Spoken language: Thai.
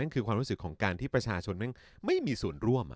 ความรู้สึกของการที่ประชาชนไม่มีส่วนร่วม